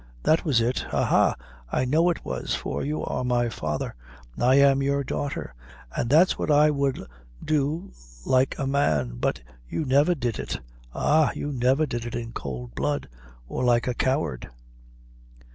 That was it. Ha! ha! I know it was, for you are my father, and I am your daughter; and that's what I would do like a man. But you never did it ah! you never did it in cowld blood, or like a coward."